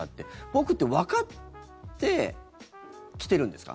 僕ってわかって来てるんですか？